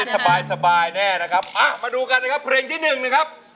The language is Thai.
สบายแน่นะครับมาดูกันนะครับเพลงที่๑นะครับ